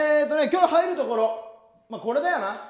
今日入るところまあこれだよな。